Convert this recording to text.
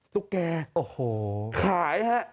ทุกแก่ขายฮะ